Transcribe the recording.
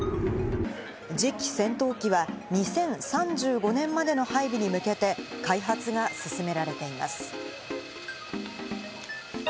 次期戦闘機は２０３５年までの配備に向けて開発が進められています。